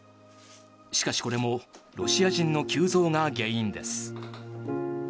しかし、これもロシア人の急増が原因です。